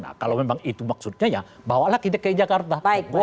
nah kalau memang itu maksudnya ya bawalah ke dki jakarta